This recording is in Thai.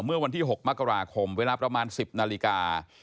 เมื่อวันที่๖มกราคมเวลาประมาณ๑๐นาฬิกา